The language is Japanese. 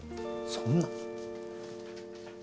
そんな。